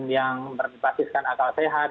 yang memperbapaskan akal sehat